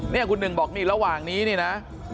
นี่คุณหนึ่งบอกนี่ระหว่างนี้นี่นะ